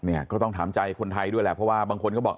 เนี่ยก็ต้องถามใจคนไทยด้วยแหละเพราะว่าบางคนก็บอก